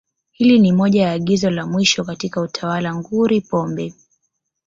Hili ni moja ya agizo la mwisho katika utawala nguri Pombe